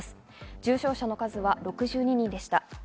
重症者の数は６２人でした。